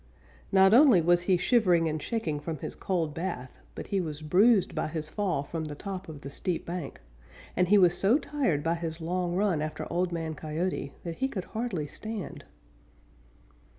Not only was he shivering and shaking from his cold bath, but he was bruised by his fall from the top of the steep bank, and he was so tired by his long run after Old Man Coyote that he could hardly stand.